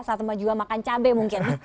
saat mau jual makan cabai mungkin